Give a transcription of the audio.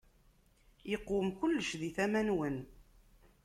Iqwem kullec di tama-nwen.